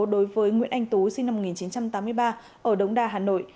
đối với nguyễn anh tú sinh năm một nghìn chín trăm tám mươi ba ở đống đa hà nội